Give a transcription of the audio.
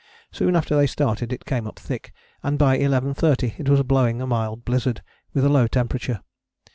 Soon after they started it came up thick, and by 11.30 it was blowing a mild blizzard with a low temperature.